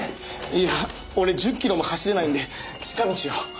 いや俺１０キロも走れないんで近道を。